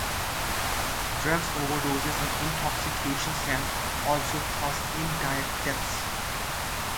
Drug overdoses and intoxication can also cause indirect deaths.